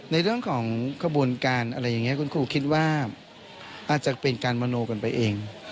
ในเรื่องของขบวนการอะไรอย่างนี้คุณครูคิดว่าอาจจะเป็นการมโนกันไปเอง